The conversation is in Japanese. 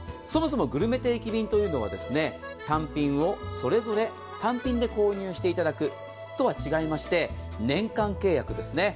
そもそもグルメ定期便というのは、単品をそれぞれ単品で購入していただくのとは違いまして年間契約です。